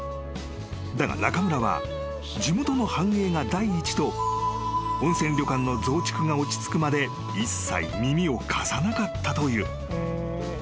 ［だが中村は地元の繁栄が第一と温泉旅館の増築が落ち着くまで一切耳を貸さなかったという］